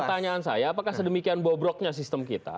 pertanyaan saya apakah sedemikian bobroknya sistem kita